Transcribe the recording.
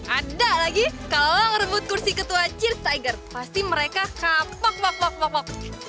ada lagi kalau lo ngerebut kursi ketua cheers tiger pasti mereka kapok kapok kapok